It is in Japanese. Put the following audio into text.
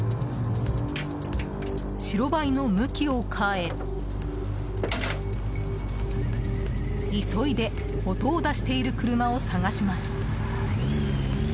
白バイの向きを変え急いで音を出している車を探します。